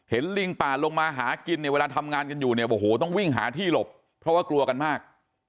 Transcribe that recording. ลิงป่าลงมาหากินเนี่ยเวลาทำงานกันอยู่เนี่ยโอ้โหต้องวิ่งหาที่หลบเพราะว่ากลัวกันมาก